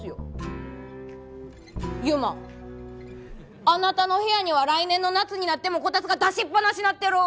ユマあなたの部屋には来年の夏になってもこたつが出しっぱなしになってる。